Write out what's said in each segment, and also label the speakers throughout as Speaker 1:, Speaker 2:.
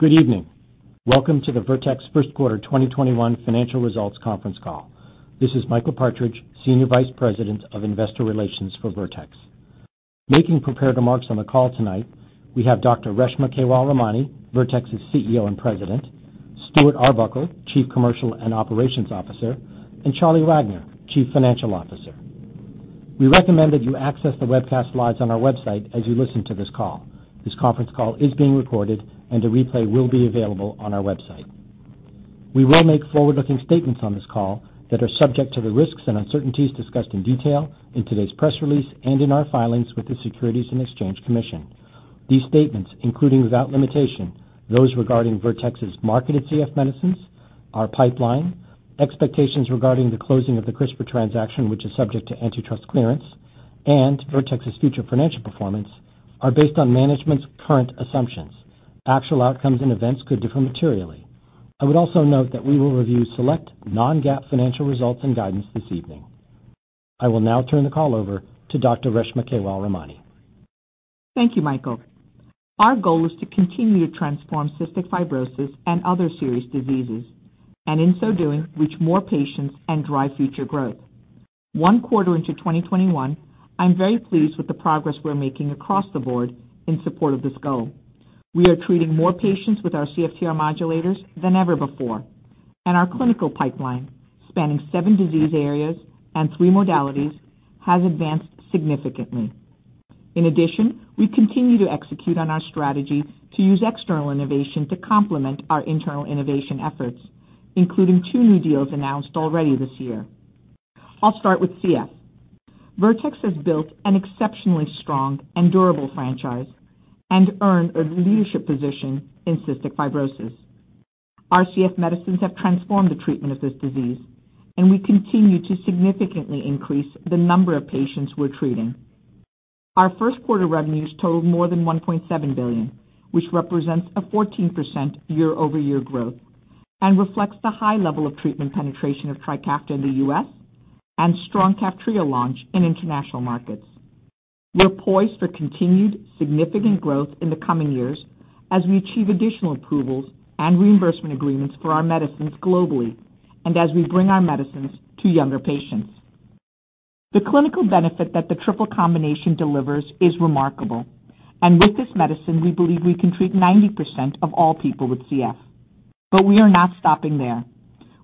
Speaker 1: Good evening. Welcome to the Vertex first quarter 2021 financial results conference call. This is Michael Partridge, Senior Vice President of Investor Relations for Vertex. Making prepared remarks on the call tonight, we have Dr. Reshma Kewalramani, Vertex's CEO and President, Stuart Arbuckle, Chief Commercial and Operations Officer, and Charles Wagner, Chief Financial Officer. We recommend that you access the webcast live on our website as you listen to this call. This conference call is being recorded, and a replay will be available on our website. We will make forward-looking statements on this call that are subject to the risks and uncertainties discussed in detail in today's press release and in our filings with the Securities and Exchange Commission. These statements, including without limitation, those regarding Vertex's marketed CF medicines, our pipeline, expectations regarding the closing of the CRISPR transaction which is subject to antitrust clearance, and Vertex's future financial performance, are based on management's current assumptions. Actual outcomes and events could differ materially. I would also note that we will review select non-GAAP financial results and guidance this evening. I will now turn the call over to Dr. Reshma Kewalramani.
Speaker 2: Thank you, Michael. Our goal is to continue to transform cystic fibrosis and other serious diseases, and in so doing, reach more patients and drive future growth. One quarter into 2021, I'm very pleased with the progress we're making across the board in support of this goal. We are treating more patients with our CFTR modulators than ever before, and our clinical pipeline, spanning seven disease areas and three modalities, has advanced significantly. In addition, we continue to execute on our strategy to use external innovation to complement our internal innovation efforts, including two new deals announced already this year. I'll start with CF. Vertex has built an exceptionally strong and durable franchise and earned a leadership position in cystic fibrosis. Our CF medicines have transformed the treatment of this disease, and we continue to significantly increase the number of patients we're treating. Our first quarter revenues totaled more than $1.7 billion, which represents a 14% year-over-year growth and reflects the high level of treatment penetration of TRIKAFTA in the U.S. and strong Kaftrio launch in international markets. We're poised for continued significant growth in the coming years as we achieve additional approvals and reimbursement agreements for our medicines globally, and as we bring our medicines to younger patients. The clinical benefit that the triple combination delivers is remarkable, and with this medicine, we believe we can treat 90% of all people with CF. We are not stopping there.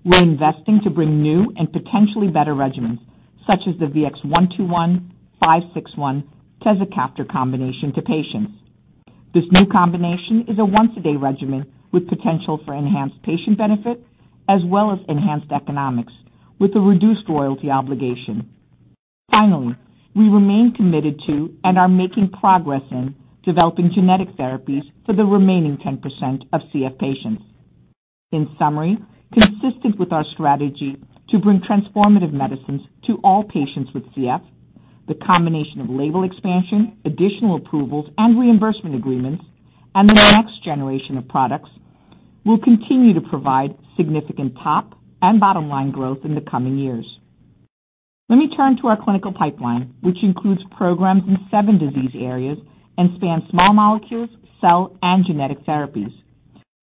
Speaker 2: We're investing to bring new and potentially better regimens such as the VX-121-561 tezacaftor combination to patients. This new combination is a once-a-day regimen with potential for enhanced patient benefit as well as enhanced economics with a reduced royalty obligation. Finally, we remain committed to, and are making progress in, developing genetic therapies for the remaining 10% of CF patients. In summary, consistent with our strategy to bring transformative medicines to all patients with CF, the combination of label expansion, additional approvals and reimbursement agreements, and the next generation of products will continue to provide significant top and bottom-line growth in the coming years. Let me turn to our clinical pipeline, which includes programs in seven disease areas and spans small molecules, cell, and genetic therapies.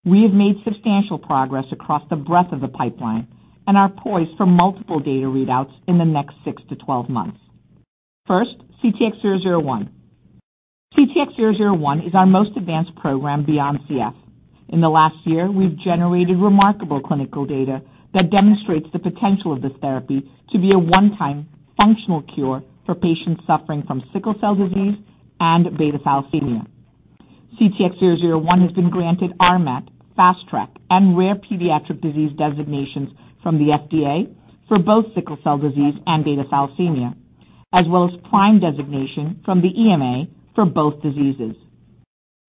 Speaker 2: We have made substantial progress across the breadth of the pipeline and are poised for multiple data readouts in the next six to 12 months. First, CTX001. CTX001 is our most advanced program beyond CF. In the last year, we've generated remarkable clinical data that demonstrates the potential of this therapy to be a one-time functional cure for patients suffering from sickle cell disease and beta thalassemia. CTX001 has been granted RMAT, Fast Track, and Rare Pediatric Disease designations from the FDA for both sickle cell disease and beta thalassemia, as well as PRIME designation from the EMA for both diseases.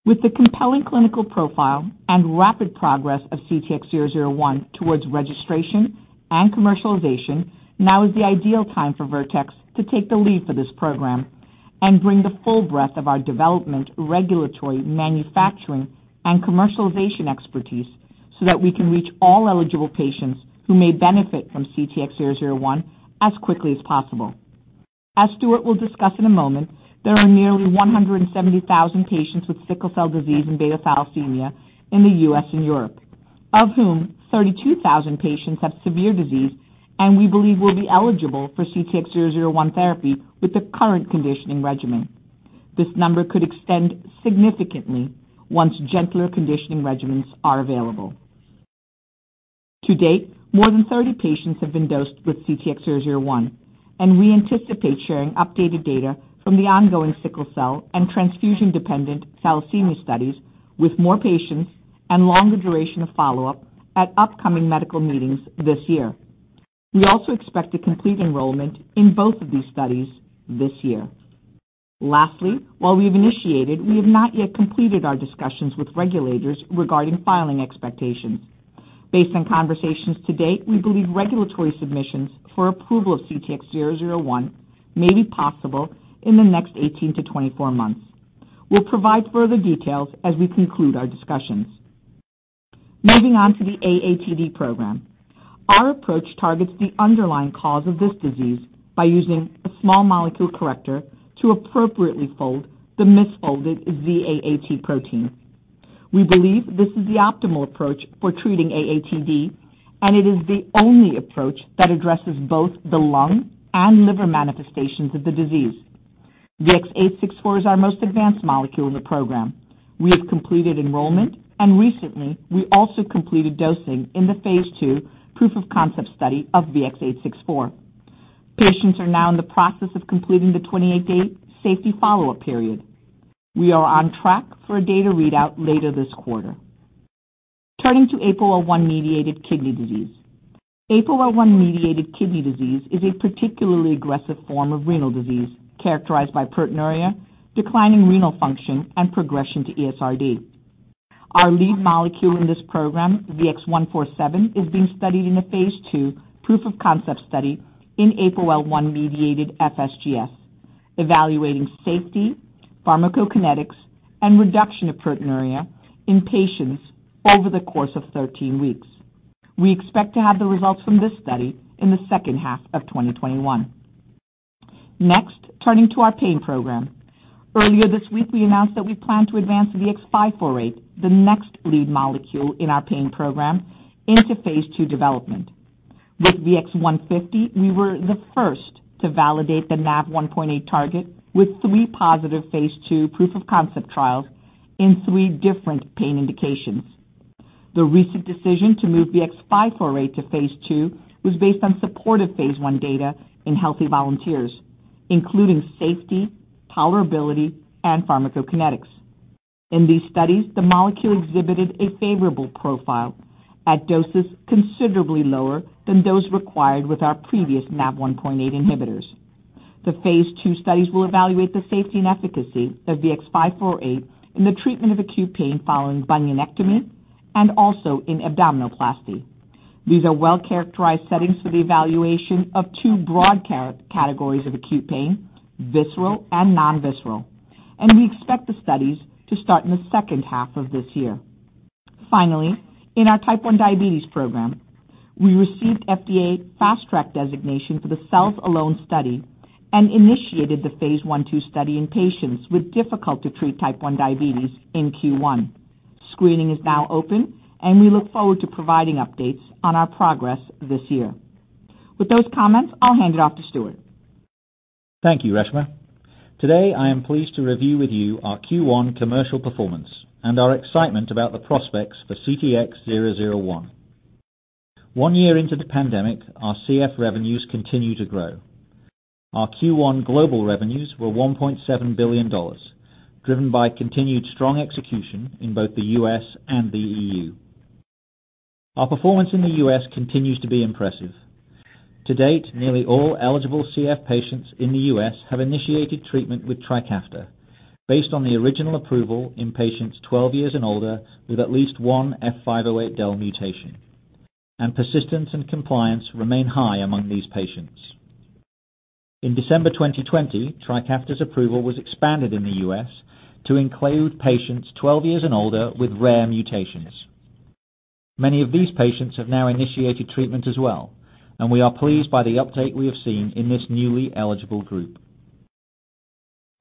Speaker 2: With the compelling clinical profile and rapid progress of CTX001 towards registration and commercialization, now is the ideal time for Vertex to take the lead for this program and bring the full breadth of our development, regulatory, manufacturing, and commercialization expertise so that we can reach all eligible patients who may benefit from CTX001 as quickly as possible. As Stuart will discuss in a moment, there are nearly 170,000 patients with sickle cell disease and beta thalassemia in the U.S. and Europe, of whom 32,000 patients have severe disease, and we believe will be eligible for CTX001 therapy with the current conditioning regimen. This number could extend significantly once gentler conditioning regimens are available. To date, more than 30 patients have been dosed with CTX001, and we anticipate sharing updated data from the ongoing sickle cell and transfusion-dependent thalassemia studies with more patients and longer duration of follow-up at upcoming medical meetings this year. We also expect to complete enrollment in both of these studies this year. Lastly, we have not yet completed our discussions with regulators regarding filing expectations. Based on conversations to date, we believe regulatory submissions for approval of CTX001 may be possible in the next 18-24 months. We'll provide further details as we conclude our discussions. Moving on to the AATD program. Our approach targets the underlying cause of this disease by using a small molecule corrector to appropriately fold the misfolded Z-AAT protein. We believe this is the optimal approach for treating AATD, and it is the only approach that addresses both the lung and liver manifestations of the disease. VX-864 is our most advanced molecule in the program. We have completed enrollment, and recently, we also completed dosing in the phase II proof of concept study of VX-864. Patients are now in the process of completing the 28-day safety follow-up period. We are on track for a data readout later this quarter. Turning to APOL1-mediated kidney disease. APOL1-mediated kidney disease is a particularly aggressive form of renal disease, characterized by proteinuria, declining renal function, and progression to ESRD. Our lead molecule in this program, VX-147, is being studied in a phase II proof of concept study in APOL1-mediated FSGS, evaluating safety, pharmacokinetics, and reduction of proteinuria in patients over the course of 13 weeks. We expect to have the results from this study in the second half of 2021. Turning to our pain program. Earlier this week, we announced that we plan to advance VX-548, the next lead molecule in our pain program, into phase II development. With VX-150, we were the first to validate the NaV1.8 target with three positive phase II proof of concept trials in three different pain indications. The recent decision to move VX-548 to phase II was based on supportive phase I data in healthy volunteers, including safety, tolerability, and pharmacokinetics. In these studies, the molecule exhibited a favorable profile at doses considerably lower than those required with our previous NaV1.8 inhibitors. The phase II studies will evaluate the safety and efficacy of VX-548 in the treatment of acute pain following bunionectomy and also in abdominoplasty. These are well-characterized settings for the evaluation of two broad categories of acute pain, visceral and non-visceral. We expect the studies to start in the second half of this year. Finally, in our type 1 diabetes program, we received FDA Fast Track designation for the cells-alone study. We initiated the phase I, II study in patients with difficult-to-treat type 1 diabetes in Q1. Screening is now open. We look forward to providing updates on our progress this year. With those comments, I'll hand it off to Stuart.
Speaker 3: Thank you, Reshma. Today, I am pleased to review with you our Q1 commercial performance and our excitement about the prospects for CTX001. One year into the pandemic, our CF revenues continue to grow. Our Q1 global revenues were $1.7 billion, driven by continued strong execution in both the U.S. and the EU. Our performance in the U.S. continues to be impressive. To date, nearly all eligible CF patients in the U.S. have initiated treatment with TRIKAFTA based on the original approval in patients 12 years and older with at least one F508del mutation, and persistence and compliance remain high among these patients. In December 2020, TRIKAFTA's approval was expanded in the U.S. to include patients 12 years and older with rare mutations. Many of these patients have now initiated treatment as well, and we are pleased by the uptake we have seen in this newly eligible group.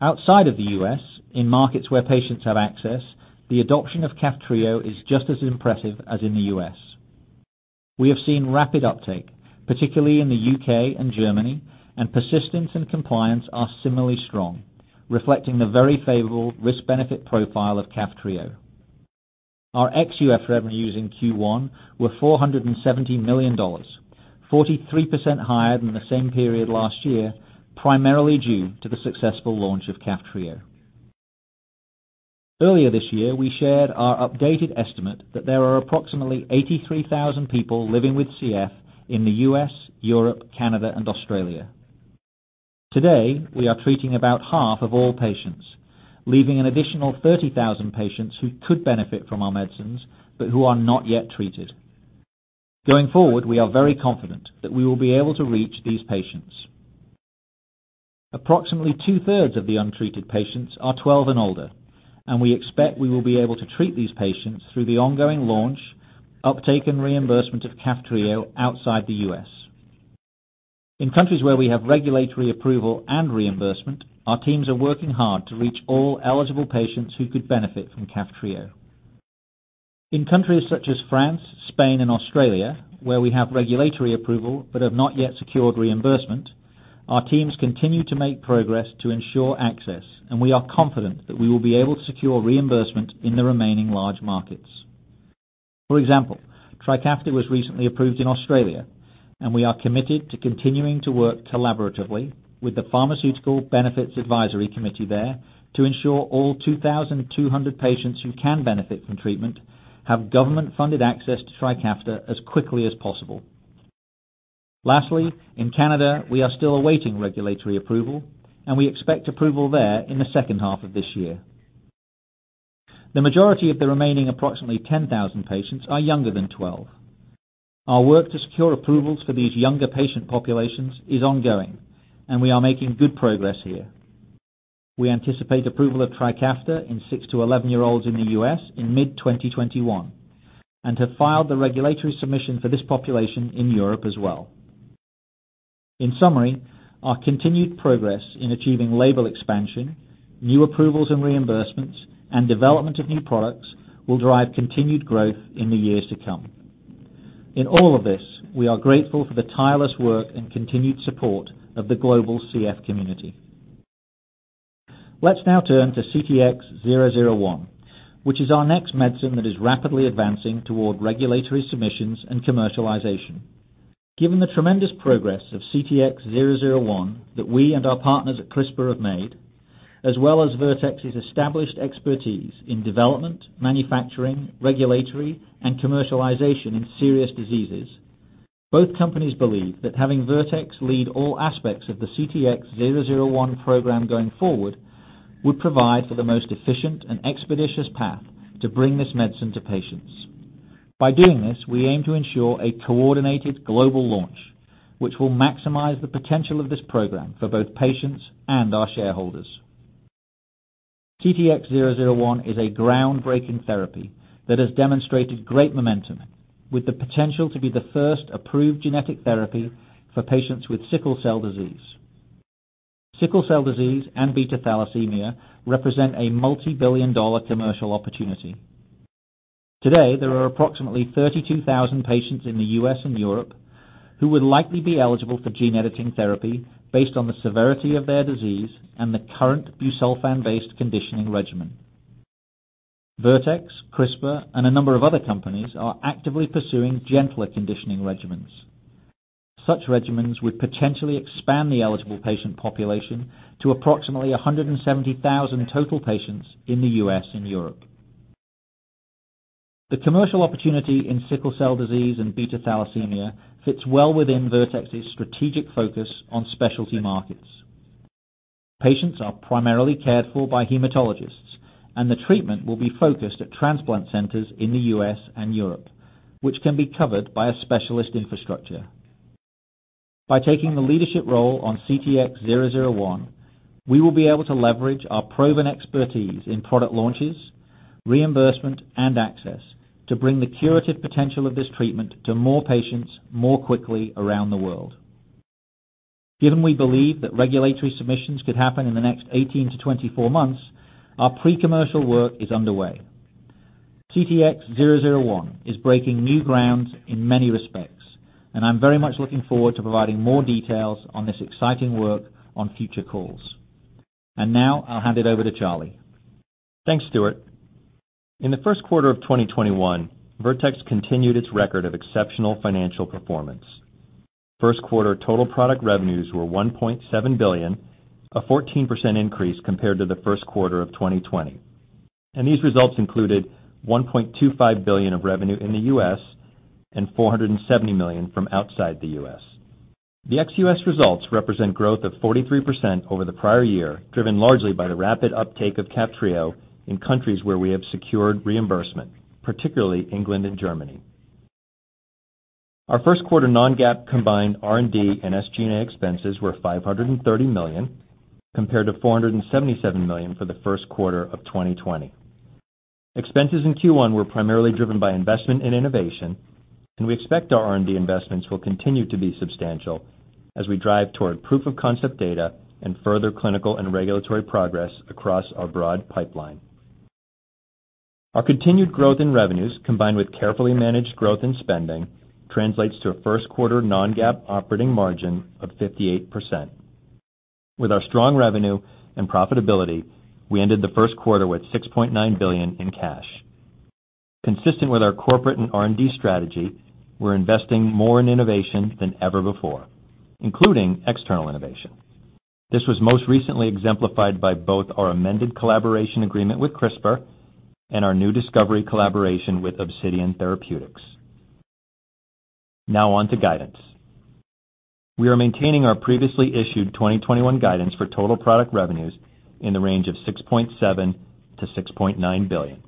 Speaker 3: Outside of the U.S., in markets where patients have access, the adoption of Kaftrio is just as impressive as in the U.S. We have seen rapid uptake, particularly in the U.K. and Germany, and persistence and compliance are similarly strong, reflecting the very favorable risk-benefit profile of Kaftrio. Our ex-U.S. revenues in Q1 were $470 million, 43% higher than the same period last year, primarily due to the successful launch of Kaftrio. Earlier this year, we shared our updated estimate that there are approximately 83,000 people living with CF in the U.S., Europe, Canada, and Australia. Today, we are treating about half of all patients, leaving an additional 30,000 patients who could benefit from our medicines but who are not yet treated. Going forward, we are very confident that we will be able to reach these patients. Approximately two-thirds of the untreated patients are 12 and older, and we expect we will be able to treat these patients through the ongoing launch, uptake, and reimbursement of Kaftrio outside the U.S. In countries where we have regulatory approval and reimbursement, our teams are working hard to reach all eligible patients who could benefit from Kaftrio. In countries such as France, Spain, and Australia, where we have regulatory approval but have not yet secured reimbursement, our teams continue to make progress to ensure access, and we are confident that we will be able to secure reimbursement in the remaining large markets. For example, TRIKAFTA was recently approved in Australia, and we are committed to continuing to work collaboratively with the Pharmaceutical Benefits Advisory Committee there to ensure all 2,200 patients who can benefit from treatment have government-funded access to TRIKAFTA as quickly as possible. Lastly, in Canada, we are still awaiting regulatory approval, and we expect approval there in the second half of this year. The majority of the remaining approximately 10,000 patients are younger than 12. Our work to secure approvals for these younger patient populations is ongoing, and we are making good progress here. We anticipate approval of TRIKAFTA in 6-11 year-olds in the U.S. in mid-2021, and have filed the regulatory submission for this population in Europe as well. In summary, our continued progress in achieving label expansion, new approvals and reimbursements, and development of new products will drive continued growth in the years to come. In all of this, we are grateful for the tireless work and continued support of the global CF community. Let's now turn to CTX001, which is our next medicine that is rapidly advancing toward regulatory submissions and commercialization. Given the tremendous progress of CTX001 that we and our partners at CRISPR have made, as well as Vertex's established expertise in development, manufacturing, regulatory, and commercialization in serious diseases, both companies believe that having Vertex lead all aspects of the CTX001 program going forward would provide for the most efficient and expeditious path to bring this medicine to patients. By doing this, we aim to ensure a coordinated global launch, which will maximize the potential of this program for both patients and our shareholders. CTX001 is a groundbreaking therapy that has demonstrated great momentum, with the potential to be the first approved genetic therapy for patients with sickle cell disease. Sickle cell disease and beta thalassemia represent a multibillion-dollar commercial opportunity. Today, there are approximately 32,000 patients in the U.S. and Europe who would likely be eligible for gene-editing therapy based on the severity of their disease and the current busulfan-based conditioning regimen. Vertex, CRISPR, and a number of other companies are actively pursuing gentler conditioning regimens. Such regimens would potentially expand the eligible patient population to approximately 170,000 total patients in the U.S. and Europe. The commercial opportunity in sickle cell disease and beta thalassemia fits well within Vertex's strategic focus on specialty markets. Patients are primarily cared for by hematologists, and the treatment will be focused at transplant centers in the U.S. and Europe, which can be covered by a specialist infrastructure. By taking the leadership role on CTX001, we will be able to leverage our proven expertise in product launches, reimbursement, and access to bring the curative potential of this treatment to more patients more quickly around the world. Given we believe that regulatory submissions could happen in the next 18-24 months, our pre-commercial work is underway. CTX001 is breaking new grounds in many respects, I'm very much looking forward to providing more details on this exciting work on future calls. Now I'll hand it over to Charles.
Speaker 4: Thanks, Stuart. In the first quarter of 2021, Vertex continued its record of exceptional financial performance. First quarter total product revenues were $1.7 billion, a 14% increase compared to the first quarter of 2020. These results included $1.25 billion of revenue in the U.S., and $470 million from outside the U.S. The ex-U.S. results represent growth of 43% over the prior year, driven largely by the rapid uptake of Kaftrio in countries where we have secured reimbursement, particularly England and Germany. Our first quarter non-GAAP combined R&D and SG&A expenses were $530 million, compared to $477 million for the first quarter of 2020. Expenses in Q1 were primarily driven by investment in innovation, and we expect our R&D investments will continue to be substantial as we drive toward proof of concept data and further clinical and regulatory progress across our broad pipeline. Our continued growth in revenues, combined with carefully managed growth in spending, translates to a first quarter non-GAAP operating margin of 58%. With our strong revenue and profitability, we ended the first quarter with $6.9 billion in cash. Consistent with our corporate and R&D strategy, we're investing more in innovation than ever before, including external innovation. This was most recently exemplified by both our amended collaboration agreement with CRISPR and our new discovery collaboration with Obsidian Therapeutics. On to guidance. We are maintaining our previously issued 2021 guidance for total product revenues in the range of $6.7 billion-$6.9 billion.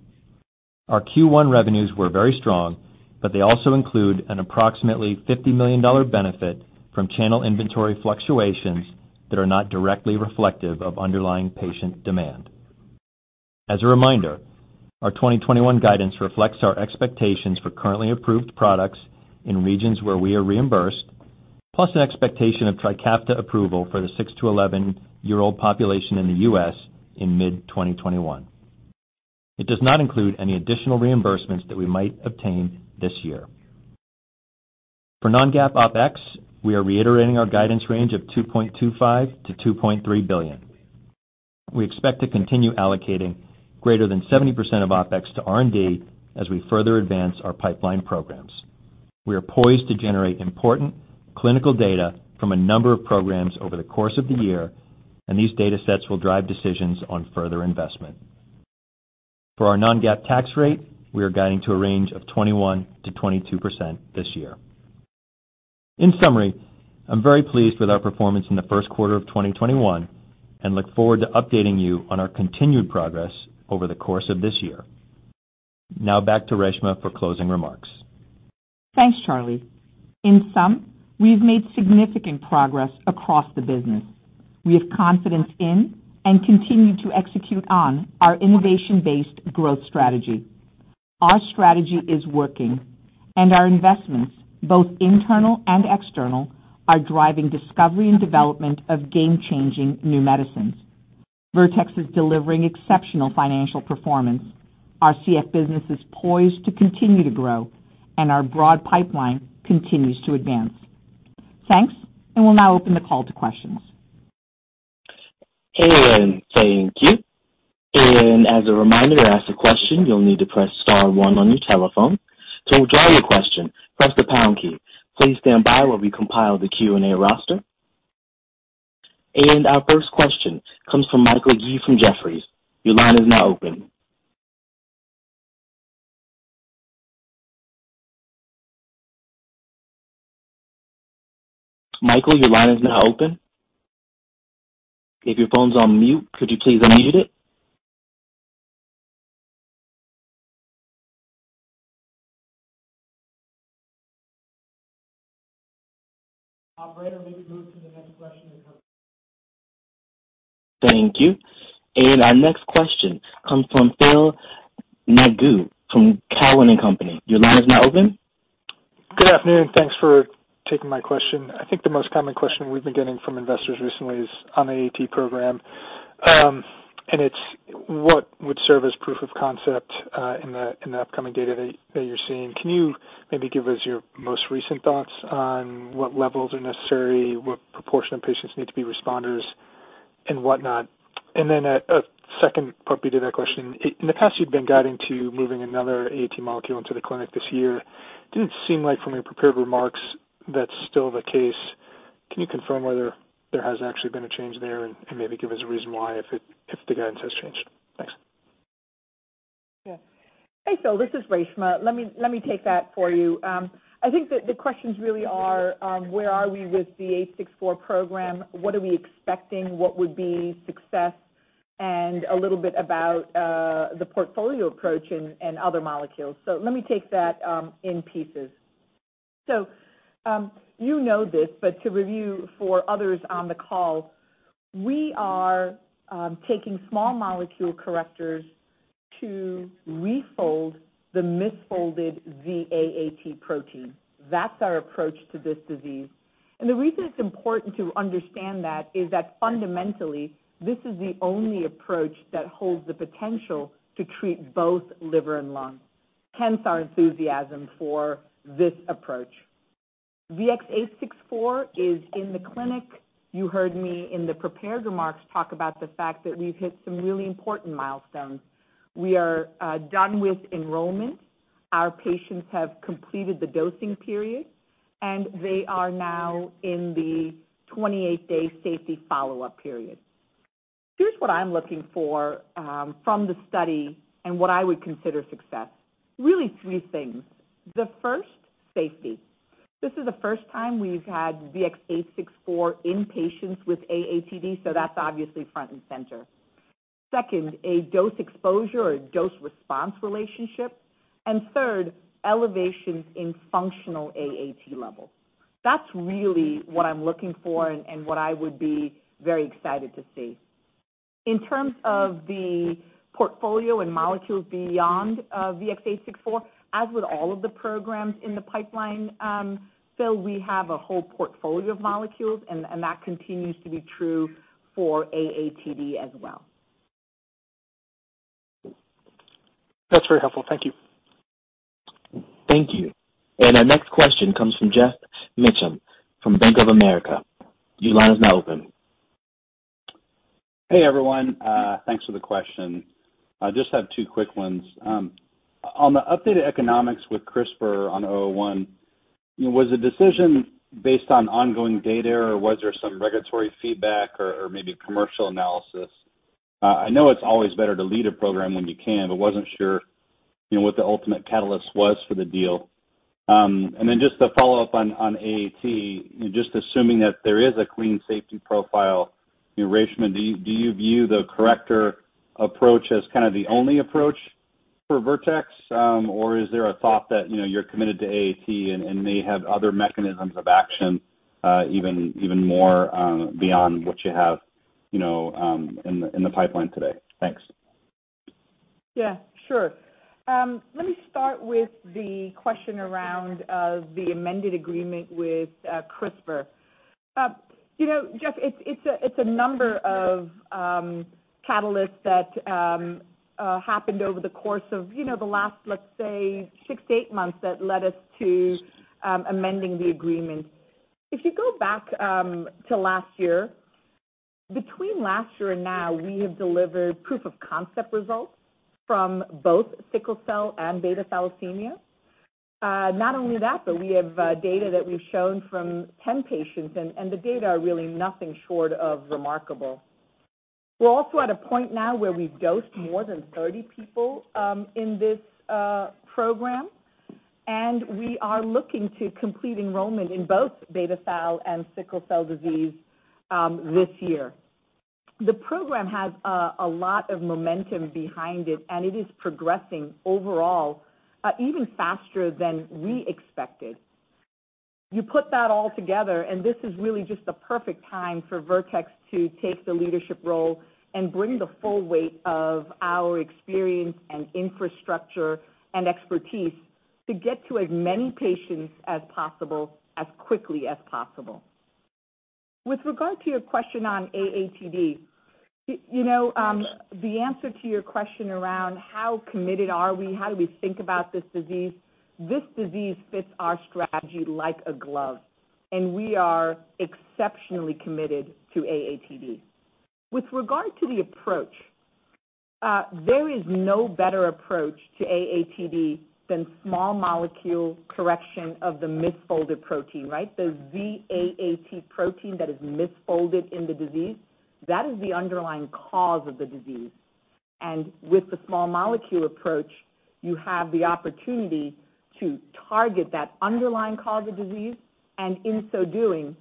Speaker 4: Our Q1 revenues were very strong, but they also include an approximately $50 million benefit from channel inventory fluctuations that are not directly reflective of underlying patient demand. As a reminder, our 2021 guidance reflects our expectations for currently approved products in regions where we are reimbursed, plus an expectation of TRIKAFTA approval for the 6-11 year-old population in the U.S. in mid-2021. It does not include any additional reimbursements that we might obtain this year. For non-GAAP OpEx, we are reiterating our guidance range of $2.25 billion-$2.3 billion. We expect to continue allocating greater than 70% of OpEx to R&D as we further advance our pipeline programs. We are poised to generate important clinical data from a number of programs over the course of the year, these datasets will drive decisions on further investment. For our non-GAAP tax rate, we are guiding to a range of 21%-22% this year. In summary, I'm very pleased with our performance in the first quarter of 2021 and look forward to updating you on our continued progress over the course of this year. Now back to Reshma for closing remarks.
Speaker 2: Thanks, Charlie. In sum, we've made significant progress across the business. We have confidence in and continue to execute on our innovation-based growth strategy. Our strategy is working, and our investments, both internal and external, are driving discovery and development of game-changing new medicines. Vertex is delivering exceptional financial performance. Our CF business is poised to continue to grow, and our broad pipeline continues to advance. Thanks, and we'll now open the call to questions.
Speaker 5: Thank you. As a reminder, to ask a question, you'll need to press star one on your telephone. To withdraw your question, press the pound key. Please stand by while we compile the Q&A roster. Our first question comes from Michael Yee from Jefferies. Your line is now open. Michael, your line is now open. If your phone's on mute, could you please unmute it?
Speaker 1: Operator, we can move to the next question in queue.
Speaker 5: Thank you. Our next question comes from Phil Nadeau from Cowen and Company. Your line is now open.
Speaker 6: Good afternoon. Thanks for taking my question. I think the most common question we've been getting from investors recently is on the AAT program, and it's what would serve as proof of concept in the upcoming data that you're seeing. Can you maybe give us your most recent thoughts on what levels are necessary, what proportion of patients need to be responders and whatnot? A second part related to that question. In the past, you've been guiding to moving another AAT molecule into the clinic this year. Didn't seem like from your prepared remarks that's still the case. Can you confirm whether there has actually been a change there and maybe give us a reason why if the guidance has changed? Thanks.
Speaker 2: Yeah. Hey, Phil. This is Reshma. Let me take that for you. I think that the questions really are, where are we with the A64 program, what are we expecting, what would be success, and a little bit about the portfolio approach and other molecules. Let me take that in pieces. You know this, but to review for others on the call, we are taking small molecule correctors to refold the misfolded Z-AAT protein. That's our approach to this disease. The reason it's important to understand that is that fundamentally, this is the only approach that holds the potential to treat both liver and lungs, hence our enthusiasm for this approach. VX-864 is in the clinic. You heard me in the prepared remarks talk about the fact that we've hit some really important milestones. We are done with enrollment. Our patients have completed the dosing period, and they are now in the 28-day safety follow-up period. Here's what I'm looking for from the study and what I would consider success. Really three things. The first, safety. This is the first time we've had VX-864 in patients with AATD, so that's obviously front and center. Second, a dose exposure or a dose response relationship, and third, elevations in functional AAT levels. That's really what I'm looking for and what I would be very excited to see. In terms of the portfolio and molecules beyond VX-864, as with all of the programs in the pipeline, Phil, we have a whole portfolio of molecules, and that continues to be true for AATD as well.
Speaker 6: That's very helpful. Thank you.
Speaker 5: Thank you. Our next question comes from Geoff Meacham from Bank of America. Your line is now open.
Speaker 7: Hey, everyone. Thanks for the question. I just have two quick ones. On the updated economics with CRISPR on CTX001, was the decision based on ongoing data, or was there some regulatory feedback or maybe commercial analysis? I know it's always better to lead a program when you can, wasn't sure what the ultimate catalyst was for the deal. Just to follow up on AAT, just assuming that there is a clean safety profile, Reshma, do you view the corrector approach as kind of the only approach for Vertex? Is there a thought that you're committed to AAT and may have other mechanisms of action even more beyond what you have in the pipeline today? Thanks.
Speaker 2: Yeah, sure. Let me start with the question around the amended agreement with CRISPR. Geoff, it's a number of catalysts that happened over the course of the last, let's say, six to eight months that led us to amending the agreement. If you go back to last year, between last year and now, we have delivered proof of concept results from both sickle cell and beta thalassemia. Not only that, but we have data that we've shown from 10 patients, and the data are really nothing short of remarkable. We're also at a point now where we've dosed more than 30 people in this program, and we are looking to complete enrollment in both beta thal and sickle cell disease this year. The program has a lot of momentum behind it, and it is progressing overall even faster than we expected. You put that all together, this is really just the perfect time for Vertex to take the leadership role and bring the full weight of our experience and infrastructure and expertise to get to as many patients as possible, as quickly as possible. With regard to your question on AATD, the answer to your question around how committed are we, how do we think about this disease, this disease fits our strategy like a glove, and we are exceptionally committed to AATD. With regard to the approach, there is no better approach to AATD than small molecule correction of the misfolded protein. The Z-AAT protein that is misfolded in the disease, that is the underlying cause of the disease. With the small molecule approach, you have the opportunity to target that underlying cause of disease, and in so doing,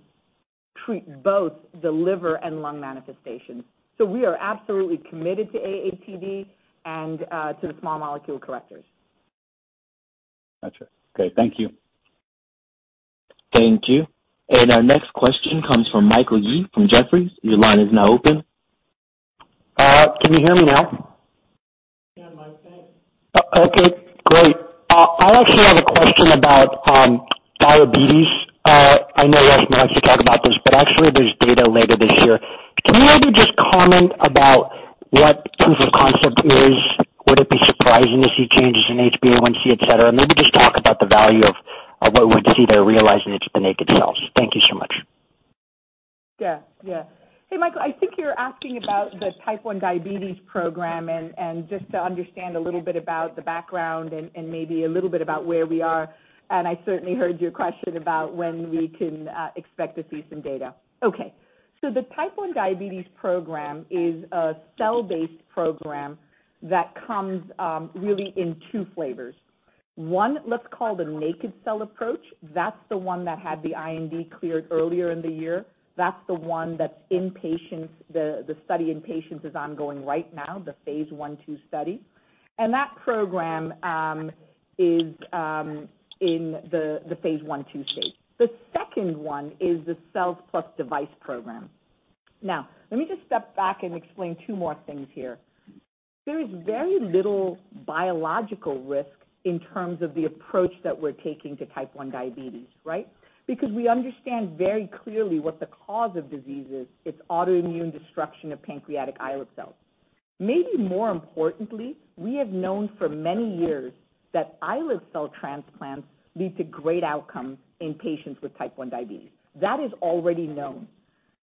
Speaker 2: treat both the liver and lung manifestations. We are absolutely committed to AATD and to the small molecule correctors.
Speaker 7: Got you. Okay. Thank you.
Speaker 5: Thank you. Our next question comes from Michael Yee from Jefferies. Your line is now open.
Speaker 8: Can you hear me now?
Speaker 2: Yeah, Mike. Thanks.
Speaker 8: Okay, great. I actually have a question about diabetes. I know Reshma has to talk about this, but actually there's data later this year. Can you maybe just comment about what proof of concept is? Would it be surprising to see changes in HbA1c, et cetera? Maybe just talk about the value of what we'd see there realizing it's the naked cells. Thank you so much.
Speaker 2: Yeah. Hey, Michael, I think you're asking about the type 1 diabetes program, and just to understand a little bit about the background and maybe a little bit about where we are, and I certainly heard your question about when we can expect to see some data. Okay, the type 1 diabetes program is a cell-based program that comes really in two flavors. One, let's call the naked cell approach. That's the one that had the IND cleared earlier in the year. That's the one that's in patients. The study in patients is ongoing right now, the phase I, II study. That program is in the phase I, II stage. The second one is the cells plus device program. Let me just step back and explain two more things here. There is very little biological risk in terms of the approach that we're taking to type 1 diabetes. Because we understand very clearly what the cause of disease is. It's autoimmune destruction of pancreatic islet cells. Maybe more importantly, we have known for many years that islet cell transplants lead to great outcomes in patients with type 1 diabetes. That is already known.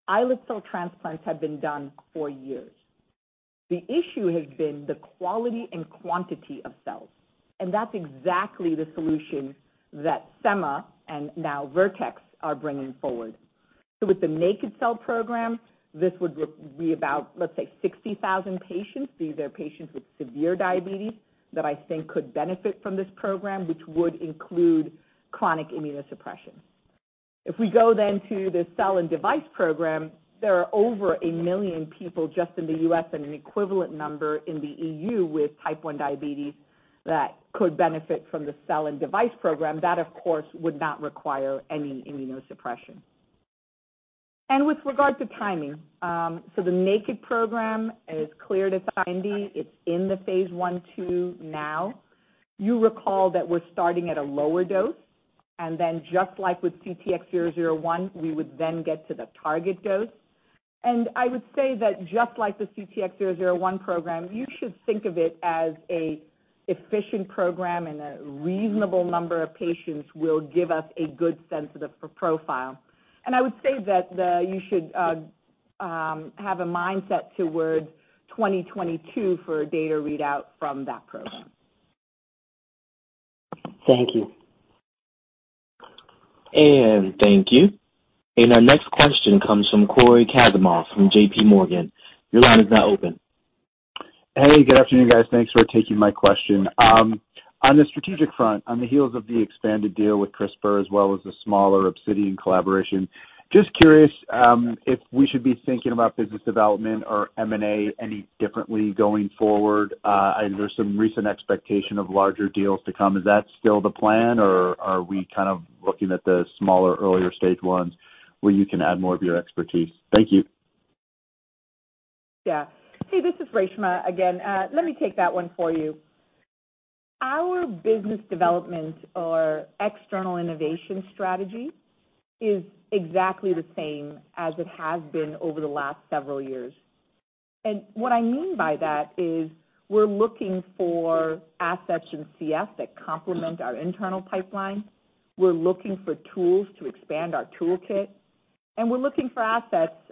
Speaker 2: Islet cell transplants have been done for years. The issue has been the quality and quantity of cells, and that's exactly the solution that Semma and now Vertex are bringing forward. With the naked cell program, this would be about, let's say, 60,000 patients. These are patients with severe diabetes that I think could benefit from this program, which would include chronic immunosuppression. If we go to the cell and device program, there are over 1 million people just in the U.S. and an equivalent number in the E.U. with type 1 diabetes that could benefit from the cell and device program. That, of course, would not require any immunosuppression. With regard to timing, the naked program is cleared as IND. It's in the phase I-II now. You recall that we're starting at a lower dose, then just like with CTX001, we would then get to the target dose. I would say that just like the CTX001 program, you should think of it as an efficient program, a reasonable number of patients will give us a good sense of the profile. I would say that you should have a mindset towards 2022 for a data readout from that program.
Speaker 8: Thank you.
Speaker 5: Thank you. Our next question comes from Cory Kasimov from JPMorgan. Your line is now open.
Speaker 9: Good afternoon, guys. Thanks for taking my question. On the strategic front, on the heels of the expanded deal with CRISPR as well as the smaller Obsidian collaboration, just curious if we should be thinking about business development or M&A any differently going forward. There's some recent expectation of larger deals to come. Is that still the plan, or are we kind of looking at the smaller, earlier stage ones where you can add more of your expertise? Thank you.
Speaker 2: Yeah. Hey, this is Reshma again. Let me take that one for you. Our business development or external innovation strategy is exactly the same as it has been over the last several years. What I mean by that is we're looking for assets in CF that complement our internal pipeline. We're looking for tools to expand our toolkit, and we're looking for assets that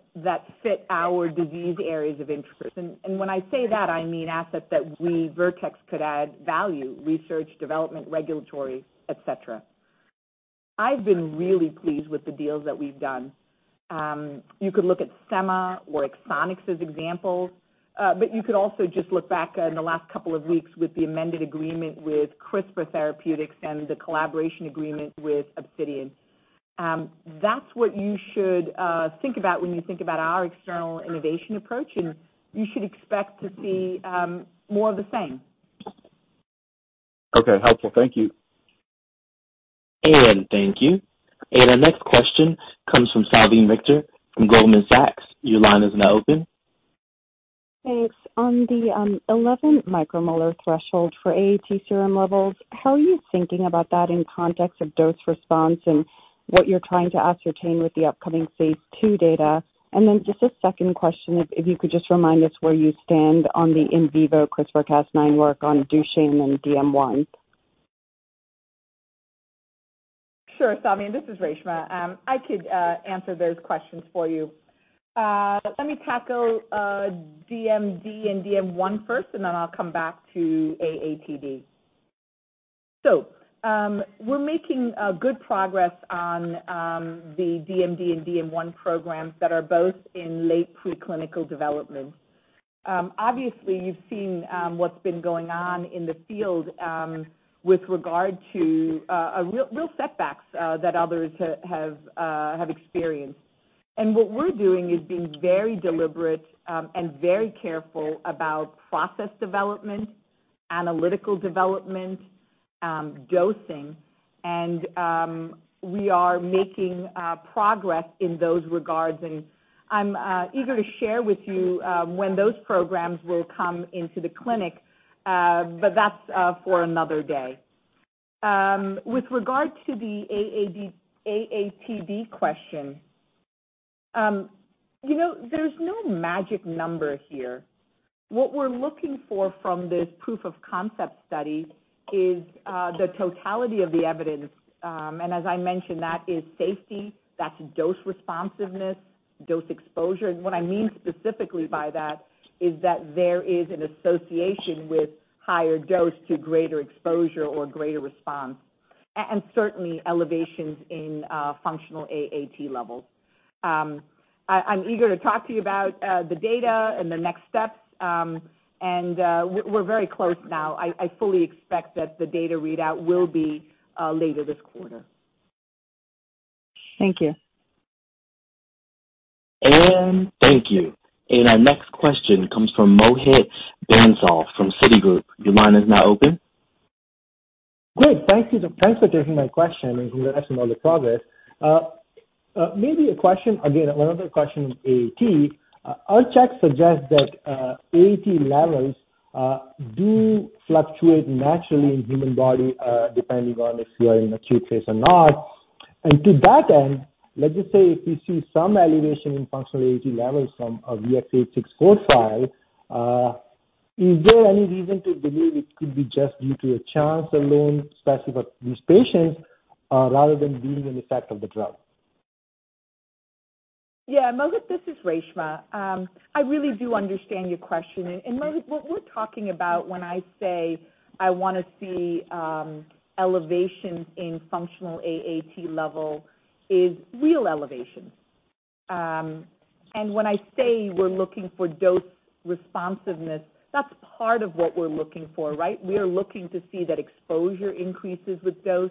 Speaker 2: fit our disease areas of interest. When I say that, I mean assets that we, Vertex, could add value, research, development, regulatory, et cetera. I've been really pleased with the deals that we've done. You could look at Semma Therapeutics or Exonics Therapeutics as examples, but you could also just look back in the last couple of weeks with the amended agreement with CRISPR Therapeutics and the collaboration agreement with Obsidian Therapeutics. That's what you should think about when you think about our external innovation approach, and you should expect to see more of the same.
Speaker 9: Okay, helpful. Thank you.
Speaker 5: Thank you. Our next question comes from Salveen Richter from Goldman Sachs. Your line is now open.
Speaker 10: Thanks. On the 11 micromolar threshold for AAT serum levels, how are you thinking about that in context of dose response and what you're trying to ascertain with the upcoming phase II data? Just a second question, if you could just remind us where you stand on the in vivo CRISPR-Cas9 work on Duchenne and DM1.
Speaker 2: Sure, Salveen. This is Reshma. I could answer those questions for you. Let me tackle DMD and DM1 first, then I'll come back to AATD. We're making good progress on the DMD and DM1 programs that are both in late preclinical development. Obviously, you've seen what's been going on in the field with regard to real setbacks that others have experienced. What we're doing is being very deliberate and very careful about process development, analytical development, dosing, and we are making progress in those regards. I'm eager to share with you when those programs will come into the clinic, that's for another day. With regard to the AATD question, there's no magic number here. What we're looking for from this proof of concept study is the totality of the evidence. As I mentioned, that is safety, that's dose responsiveness, dose exposure. What I mean specifically by that is that there is an association with higher dose to greater exposure or greater response, and certainly elevations in functional AAT levels. I'm eager to talk to you about the data and the next steps. We're very close now. I fully expect that the data readout will be later this quarter.
Speaker 10: Thank you.
Speaker 5: Thank you. Our next question comes from Mohit Bansal from Citigroup. Your line is now open.
Speaker 11: Great. Thanks for taking my question and congrats on all the progress. A question, again, another question on AAT. Our checks suggest that AAT levels do fluctuate naturally in human body, depending on if you are in acute phase or not. To that end, let's just say if you see some elevation in functional AAT levels from VX-864, is there any reason to believe it could be just due to a chance alone specific to these patients rather than being an effect of the drug?
Speaker 2: Yeah. Mohit, this is Reshma. I really do understand your question. Mohit, what we're talking about when I say I want to see elevations in functional AAT level is real elevations. When I say we're looking for dose responsiveness, that's part of what we're looking for, right. We are looking to see that exposure increases with dose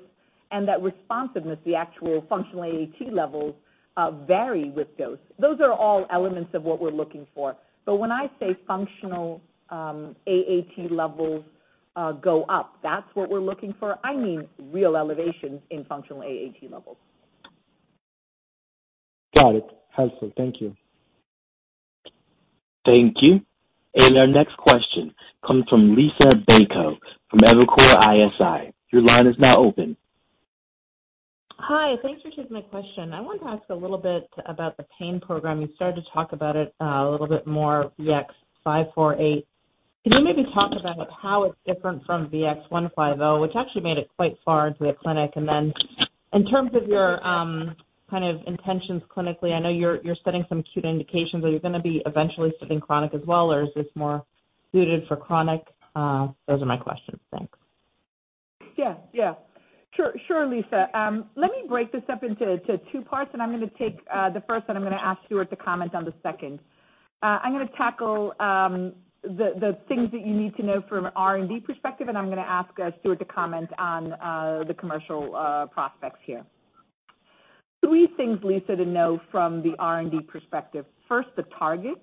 Speaker 2: and that responsiveness, the actual functional AAT levels, vary with dose. Those are all elements of what we're looking for. When I say functional AAT levels go up, that's what we're looking for. I mean real elevations in functional AAT levels.
Speaker 11: Got it. Helpful. Thank you.
Speaker 5: Thank you. Our next question comes from Liisa Bayko from Evercore ISI. Your line is now open.
Speaker 12: Hi. Thanks for taking my question. I wanted to ask a little bit about the pain program. You started to talk about it a little bit more, VX-548. Can you maybe talk about how it's different from VX-150, which actually made it quite far into the clinic? In terms of your intentions clinically, I know you're studying some acute indications. Are you going to be eventually studying chronic as well, or is this more suited for chronic? Those are my questions. Thanks.
Speaker 2: Yeah. Sure, Liisa. Let me break this up into two parts, and I am going to take the first, and I am going to ask Stuart to comment on the second. I am going to tackle the things that you need to know from an R&D perspective, and I am going to ask Stuart to comment on the commercial prospects here. Three things, Liisa, to know from the R&D perspective. First, the target.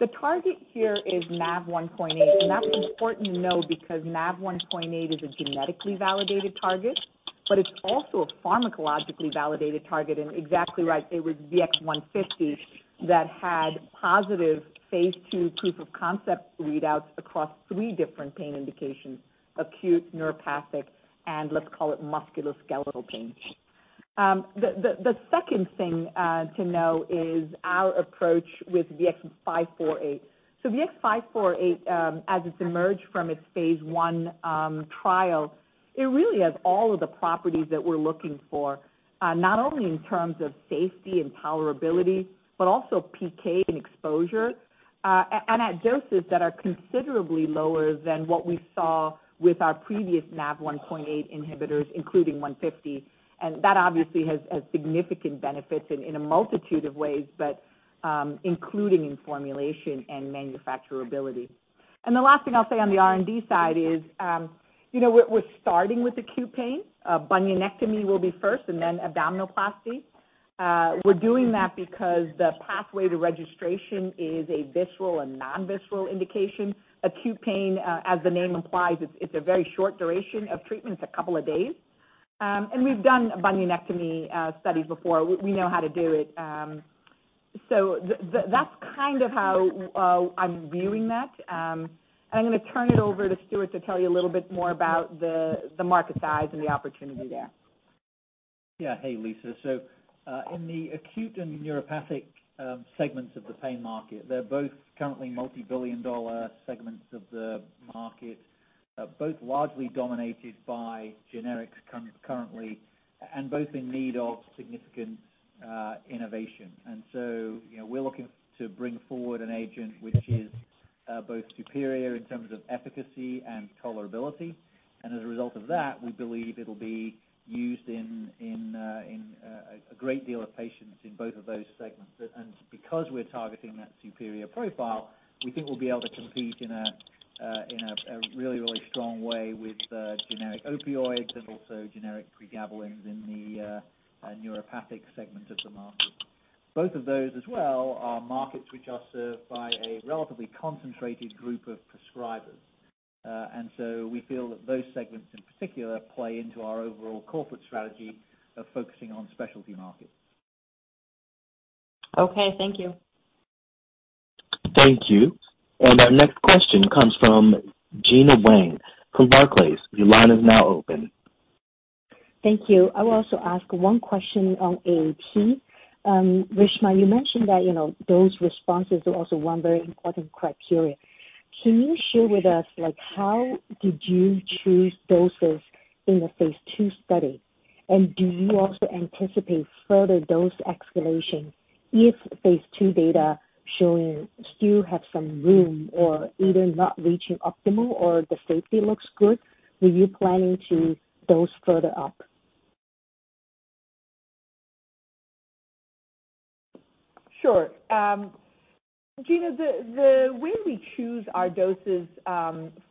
Speaker 2: The target here is NaV1.8, and that is important to know because NaV1.8 is a genetically validated target, but it is also a pharmacologically validated target in exactly right, it was VX-150 that had positive phase II proof of concept readouts across three different pain indications, acute, neuropathic, and let us call it musculoskeletal pain. The second thing to know is our approach with VX-548. VX-548, as it's emerged from its phase I trial, it really has all of the properties that we're looking for, not only in terms of safety and tolerability, but also PK and exposure, and at doses that are considerably lower than what we saw with our previous NaV1.8 inhibitors, including 150. That obviously has significant benefits in a multitude of ways, but including in formulation and manufacturability. The last thing I'll say on the R&D side is we're starting with acute pain. Bunionectomy will be first and then abdominoplasty. We're doing that because the pathway to registration is a visceral and non-visceral indication. Acute pain, as the name implies, it's a very short duration of treatment. It's a couple of days. We've done bunionectomy studies before. We know how to do it. That's kind of how I'm viewing that. I'm going to turn it over to Stuart to tell you a little bit more about the market size and the opportunity there.
Speaker 3: Yeah. Hey, Liisa. In the acute and neuropathic segments of the pain market, they're both currently multi-billion dollar segments of the market, both largely dominated by generics currently, and both in need of significant innovation. We're looking to bring forward an agent which is both superior in terms of efficacy and tolerability. As a result of that, we believe it'll be used in a great deal of patients in both of those segments. Because we're targeting that superior profile, we think we'll be able to compete in a really strong way with generic opioids and also generic pregabalins in the neuropathic segment of the market. Both of those as well are markets which are served by a relatively concentrated group of prescribers. We feel that those segments in particular play into our overall corporate strategy of focusing on specialty markets.
Speaker 12: Okay. Thank you.
Speaker 5: Thank you. Our next question comes from Gena Wang from Barclays. Your line is now open.
Speaker 13: Thank you. I will also ask one question on AAT. Reshma, you mentioned that those responses are also one very important criteria. Can you share with us, how did you choose doses in the phase II study? Do you also anticipate further dose escalation if phase II data showing still have some room or either not reaching optimal or the safety looks good, will you planning to dose further up?
Speaker 2: Sure. Gena, the way we choose our doses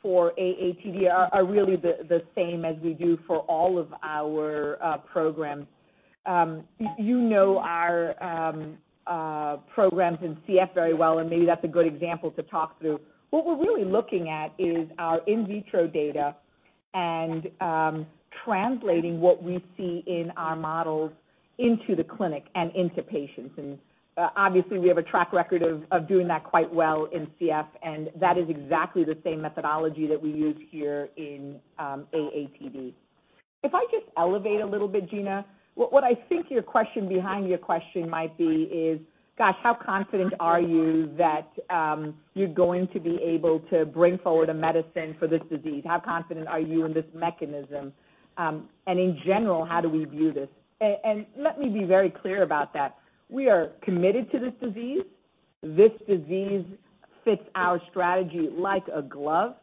Speaker 2: for AATD are really the same as we do for all of our programs. You know our programs in CF very well. Maybe that's a good example to talk through. What we're really looking at is our in vitro data and translating what we see in our models into the clinic and into patients. Obviously, we have a track record of doing that quite well in CF. That is exactly the same methodology that we use here in AATD. If I just elevate a little bit, Gena, what I think your question behind your question might be is, gosh, how confident are you that you're going to be able to bring forward a medicine for this disease? How confident are you in this mechanism? In general, how do we view this? Let me be very clear about that. We are committed to this disease. This disease fits our strategy like a glove.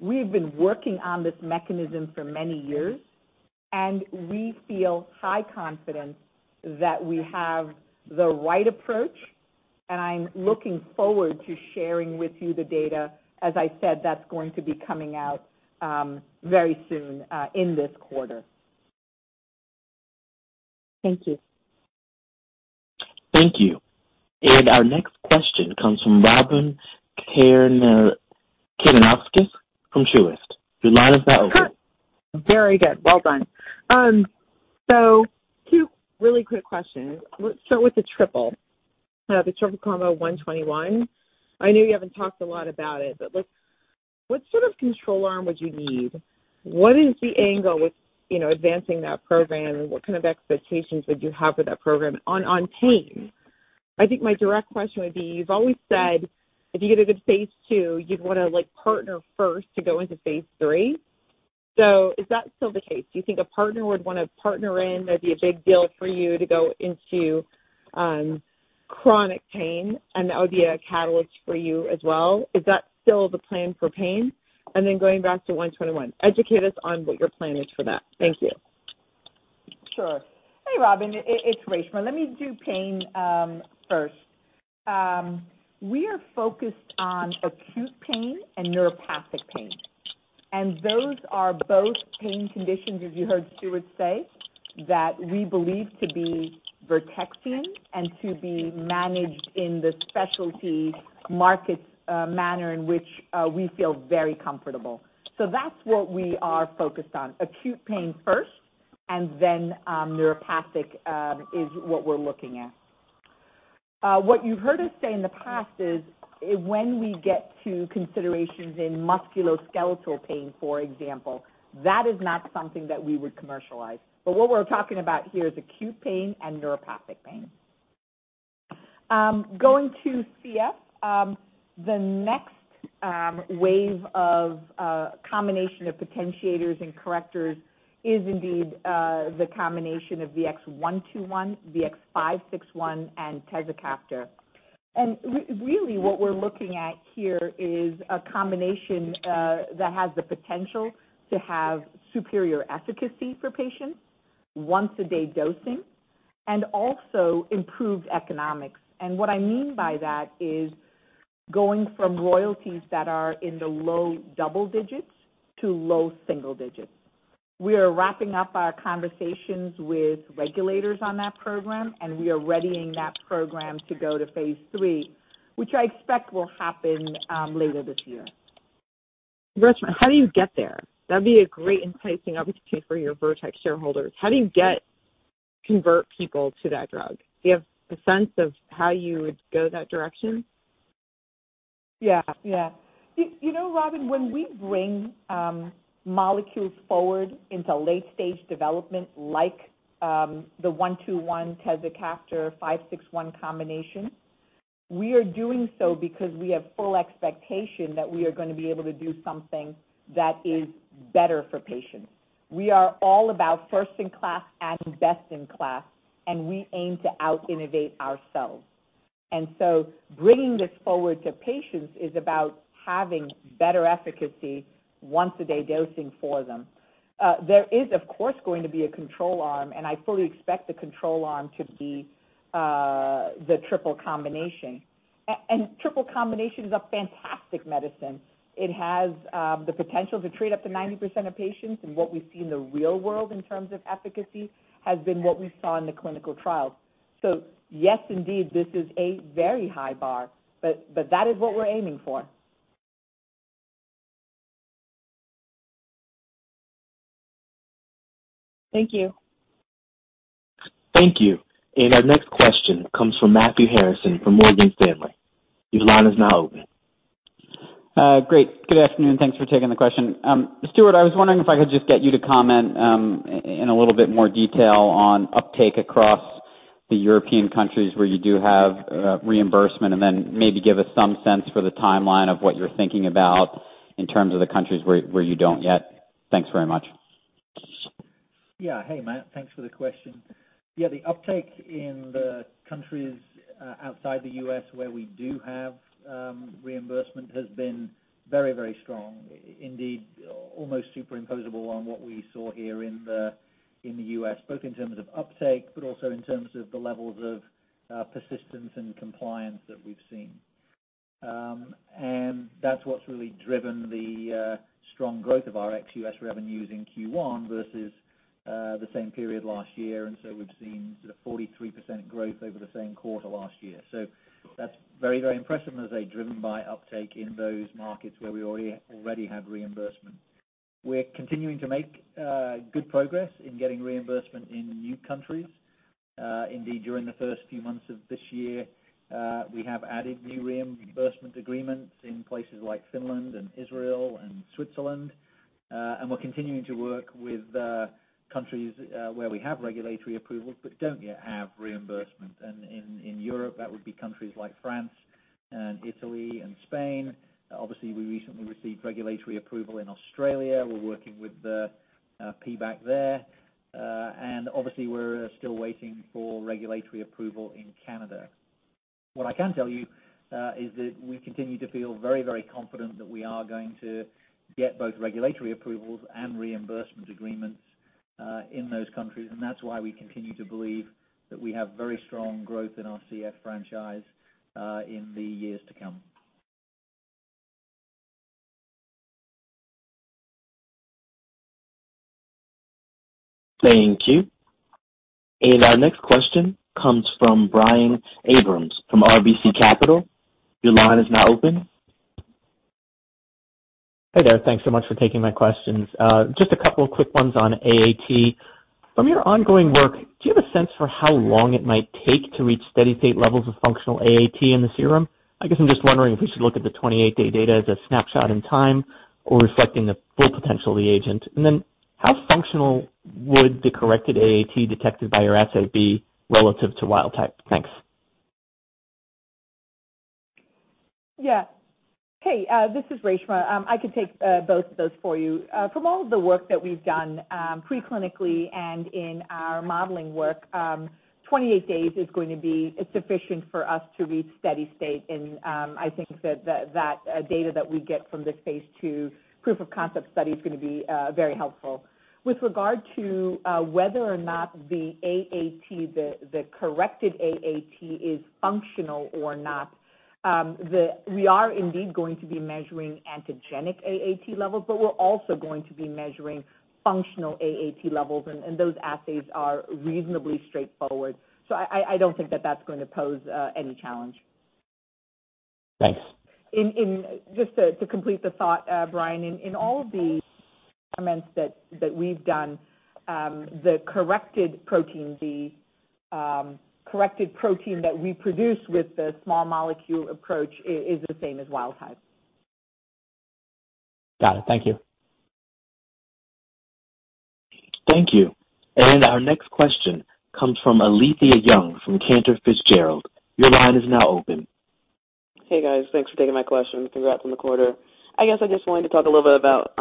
Speaker 2: We've been working on this mechanism for many years, and we feel high confidence that we have the right approach. I'm looking forward to sharing with you the data. As I said, that's going to be coming out very soon, in this quarter.
Speaker 13: Thank you.
Speaker 5: Thank you. Our next question comes from Robyn Karnauskas from Truist. Your line is now open.
Speaker 14: Hi. Very good. Well done. Two really quick questions. Let's start with the triple. The triple combo VX-121. I know you haven't talked a lot about it, but what sort of control arm would you need? What is the angle with advancing that program? What kind of expectations would you have for that program on pain? I think my direct question would be, you've always said if you get a good phase II, you'd want to partner first to go into phase III. Is that still the case? Do you think a partner would want to partner in? That'd be a big deal for you to go into chronic pain, and that would be a catalyst for you as well. Is that still the plan for pain? Then going back to VX-121, educate us on what your plan is for that. Thank you.
Speaker 2: Sure. Hey, Robyn. It's Reshma. Let me do pain first. We are focused on acute pain and neuropathic pain. Those are both pain conditions, as you heard Stuart say, that we believe to be Vertex-ian and to be managed in the specialty markets manner in which we feel very comfortable. That's what we are focused on. Acute pain first and then neuropathic is what we're looking at. What you've heard us say in the past is when we get to considerations in musculoskeletal pain, for example, that is not something that we would commercialize. What we're talking about here is acute pain and neuropathic pain. Going to CF, the next wave of combination of potentiators and correctors is indeed the combination of VX-121, VX-561, and tezacaftor. Really what we're looking at here is a combination that has the potential to have superior efficacy for patients, once-a-day dosing. Also improved economics. What I mean by that is going from royalties that are in the low double digits to low single digits. We are wrapping up our conversations with regulators on that program, and we are readying that program to go to phase III, which I expect will happen later this year.
Speaker 14: Reshma, how do you get there? That'd be a great enticing opportunity for your Vertex shareholders. How do you convert people to that drug? Do you have a sense of how you would go that direction?
Speaker 2: Robyn, when we bring molecules forward into late-stage development like the 121 tezacaftor-561 combination, we are doing so because we have full expectation that we are going to be able to do something that is better for patients. We are all about first in class and best in class, we aim to out-innovate ourselves. Bringing this forward to patients is about having better efficacy, once-a-day dosing for them. There is, of course, going to be a control arm, and I fully expect the control arm to be the triple combination. Triple combination is a fantastic medicine. It has the potential to treat up to 90% of patients, and what we see in the real world in terms of efficacy has been what we saw in the clinical trials. Yes, indeed, this is a very high bar, but that is what we're aiming for.
Speaker 14: Thank you.
Speaker 5: Thank you. Our next question comes from Matthew Harrison from Morgan Stanley. Your line is now open.
Speaker 15: Great. Good afternoon. Thanks for taking the question. Stuart, I was wondering if I could just get you to comment in a little bit more detail on uptake across the European countries where you do have reimbursement, and then maybe give us some sense for the timeline of what you're thinking about in terms of the countries where you don't yet. Thanks very much.
Speaker 3: Yeah. Hey, Matt. Thanks for the question. Yeah, the uptake in the countries outside the U.S. where we do have reimbursement has been very strong. Indeed, almost superimposable on what we saw here in the U.S., both in terms of uptake, but also in terms of the levels of persistence and compliance that we've seen. That's what's really driven the strong growth of our ex-U.S. revenues in Q1 versus the same period last year. We've seen 43% growth over the same quarter last year. That's very impressive, as I say, driven by uptake in those markets where we already have reimbursement. We're continuing to make good progress in getting reimbursement in new countries. Indeed, during the first few months of this year, we have added new reimbursement agreements in places like Finland and Israel and Switzerland. We're continuing to work with countries where we have regulatory approvals but don't yet have reimbursement. In Europe, that would be countries like France and Italy and Spain. Obviously, we recently received regulatory approval in Australia. We're working with the PBAC there. Obviously, we're still waiting for regulatory approval in Canada. What I can tell you is that we continue to feel very confident that we are going to get both regulatory approvals and reimbursement agreements in those countries. That's why we continue to believe that we have very strong growth in our CF franchise in the years to come.
Speaker 5: Thank you. Our next question comes from Brian Abrahams from RBC Capital. Your line is now open.
Speaker 16: Hey there. Thanks so much for taking my questions. Just a couple of quick ones on AAT. From your ongoing work, do you have a sense for how long it might take to reach steady-state levels of functional AAT in the serum? I guess I'm just wondering if we should look at the 28-day data as a snapshot in time or reflecting the full potential of the agent. How functional would the corrected AAT detected by your assay be relative to wild type? Thanks.
Speaker 2: Yeah. Hey, this is Reshma. I can take both of those for you. From all of the work that we've done pre-clinically and in our modeling work, 28 days is going to be sufficient for us to reach steady state. I think that that data that we get from this phase II proof of concept study is going to be very helpful. With regard to whether or not the AAT, the corrected AAT is functional or not, we are indeed going to be measuring antigenic AAT levels, but we're also going to be measuring functional AAT levels, and those assays are reasonably straightforward. I don't think that that's going to pose any challenge.
Speaker 16: Thanks.
Speaker 2: Just to complete the thought, Brian, in all of the experiments that we've done, the corrected protein that we produce with the small molecule approach is the same as wild type.
Speaker 16: Got it. Thank you.
Speaker 5: Thank you. Our next question comes from Alethia Young from Cantor Fitzgerald. Your line is now open.
Speaker 17: Hey, guys. Thanks for taking my question. Congrats on the quarter. I guess I just wanted to talk a little bit about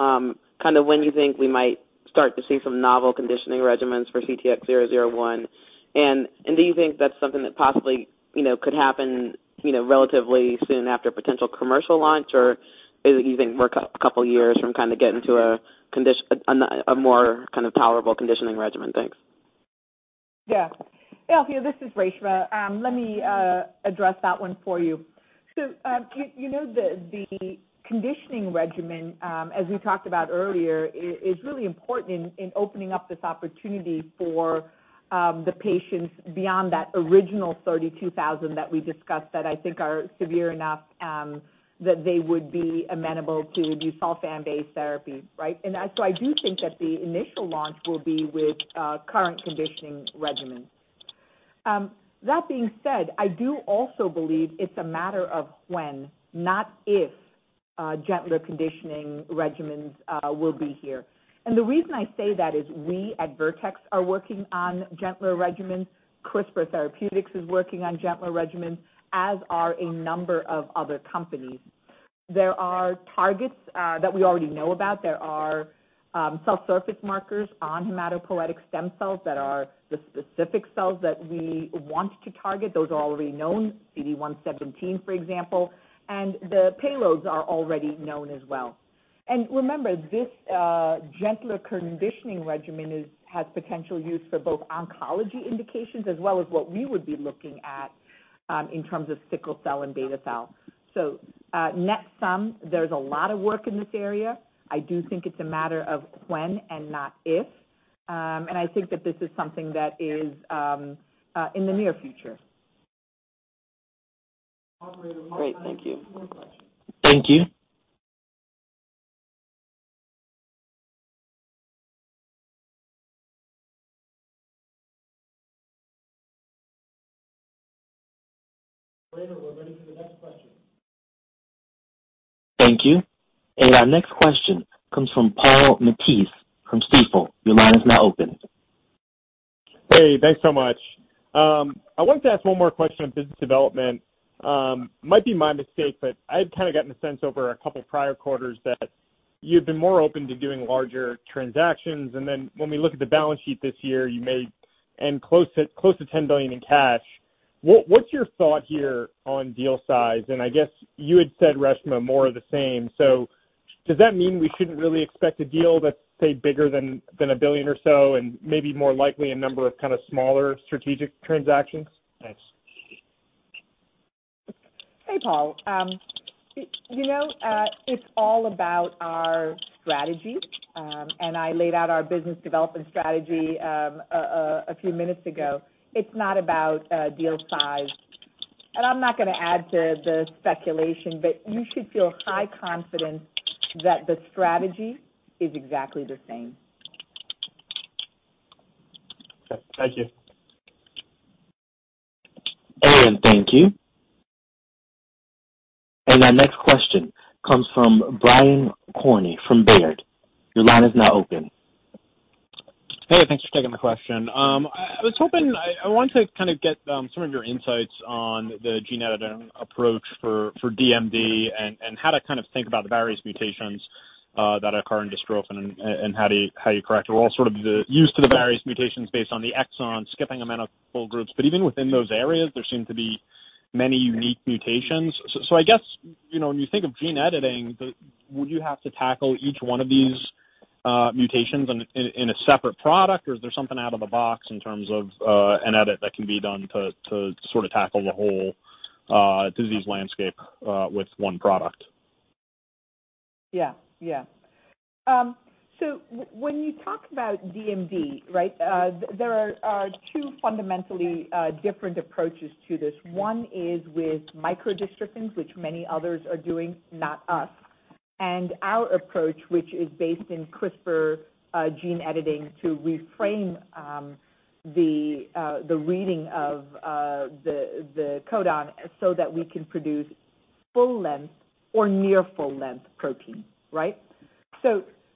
Speaker 17: when you think we might start to see some novel conditioning regimens for CTX001. Do you think that's something that possibly could happen relatively soon after potential commercial launch or is it you think more couple of years from getting to a more tolerable conditioning regimen? Thanks.
Speaker 2: Yeah. Alethia, this is Reshma. Let me address that one for you. You know the conditioning regimen, as we talked about earlier, is really important in opening up this opportunity for the patients beyond that original 32,000 that we discussed that I think are severe enough that they would be amenable to the busulfan-based therapy, right? I do think that the initial launch will be with current conditioning regimens. That being said, I do also believe it's a matter of when, not if, gentler conditioning regimens will be here. The reason I say that is we, at Vertex, are working on gentler regimens. CRISPR Therapeutics is working on gentler regimens, as are a number of other companies. There are targets that we already know about. There are cell surface markers on hematopoietic stem cells that are the specific cells that we want to target. Those are already known, CD117, for example, and the payloads are already known as well. Remember, this gentler conditioning regimen has potential use for both oncology indications as well as what we would be looking at in terms of sickle cell and beta thalassemia. Net sum, there's a lot of work in this area. I do think it's a matter of when and not if. I think that this is something that is in the near future.
Speaker 17: Great. Thank you.
Speaker 5: Thank you.
Speaker 1: Operator, we're ready for the next question.
Speaker 5: Thank you. Our next question comes from Paul Matteis from Stifel. Your line is now open.
Speaker 18: Hey, thanks so much. I wanted to ask one more question on business development. Might be my mistake, but I've kind of gotten the sense over a couple prior quarters that you've been more open to doing larger transactions. When we look at the balance sheet this year, you made close to $10 billion in cash. What's your thought here on deal size? I guess you had said, Reshma, more of the same. Does that mean we shouldn't really expect a deal that's, say, bigger than $1 billion or so, and maybe more likely a number of kind of smaller strategic transactions? Thanks.
Speaker 2: Hey, Paul. It's all about our strategy. I laid out our business development strategy a few minutes ago. It's not about deal size, and I'm not going to add to the speculation, but you should feel high confidence that the strategy is exactly the same.
Speaker 18: Okay. Thank you.
Speaker 5: Alright, thank you. Our next question comes from Brian Skorney from Baird. Your line is now open.
Speaker 19: Hey, thanks for taking the question. I wanted to kind of get some of your insights on the gene editing approach for DMD and how to kind of think about the various mutations that occur in dystrophin and how do you correct it. We're all sort of used to the various mutations based on the exon skipping amenable groups. Even within those areas, there seem to be many unique mutations. I guess, when you think of gene editing, would you have to tackle each one of these mutations in a separate product, or is there something out of the box in terms of an edit that can be done to sort of tackle the whole disease landscape with one product?
Speaker 2: Yeah. When you talk about DMD, there are two fundamentally different approaches to this. One is with micro-dystrophins, which many others are doing, not us. Our approach, which is based in CRISPR gene editing to reframe the reading of the codon so that we can produce full-length or near full-length protein. Right?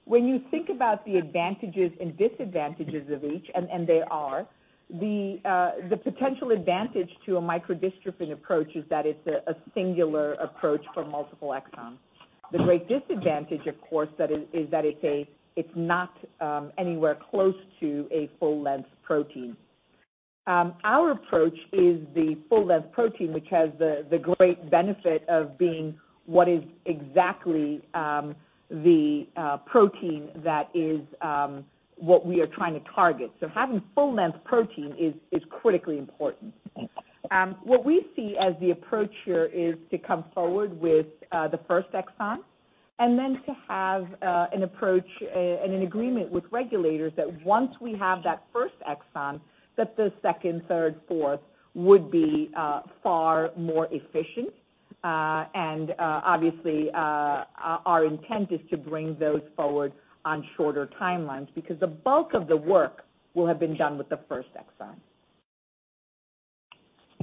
Speaker 2: When you think about the advantages and disadvantages of each, and there are, the potential advantage to a micro-dystrophin approach is that it's a singular approach for multiple exons. The great disadvantage, of course, is that it's not anywhere close to a full-length protein. Our approach is the full-length protein, which has the great benefit of being what is exactly the protein that is what we are trying to target. Having full-length protein is critically important. What we see as the approach here is to come forward with the first exon and then to have an approach and an agreement with regulators that once we have that first exon, that the second, third, fourth would be far more efficient. Obviously, our intent is to bring those forward on shorter timelines because the bulk of the work will have been done with the first exon.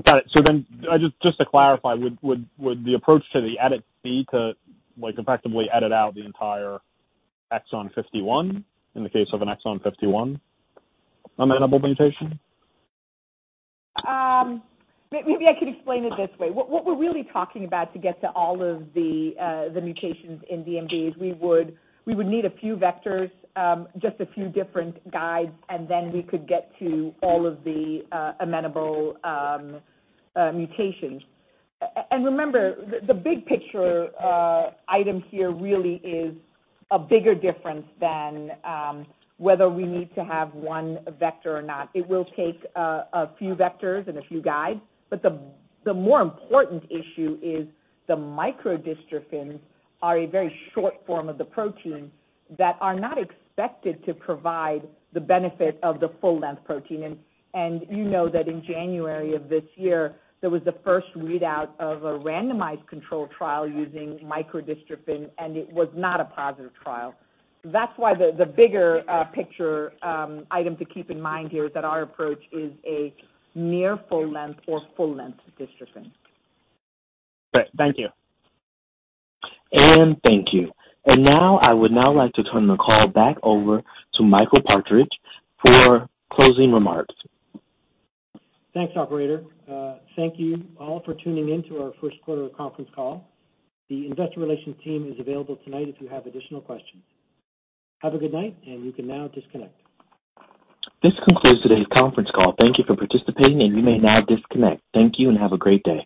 Speaker 19: Got it. Just to clarify, would the approach to the edit be to effectively edit out the entire exon 51 in the case of an exon 51 amenable mutation?
Speaker 2: Maybe I could explain it this way. What we're really talking about to get to all of the mutations in DMD is we would need a few vectors, just a few different guides, then we could get to all of the amenable mutations. Remember, the big picture item here really is a bigger difference than whether we need to have one vector or not. It will take a few vectors and a few guides, but the more important issue is the micro-dystrophins are a very short form of the protein that are not expected to provide the benefit of the full-length protein. You know that in January of this year, there was the first readout of a randomized control trial using micro-dystrophin, and it was not a positive trial. That's why the bigger picture item to keep in mind here is that our approach is a near full-length or full-length dystrophin.
Speaker 19: Great. Thank you.
Speaker 5: Aaron, thank you. Now I would now like to turn the call back over to Michael Partridge for closing remarks.
Speaker 1: Thanks, operator. Thank you all for tuning in to our first quarter conference call. The investor relations team is available tonight if you have additional questions. Have a good night, and you can now disconnect.
Speaker 5: This concludes today's conference call. Thank you for participating, and you may now disconnect. Thank you and have a great day.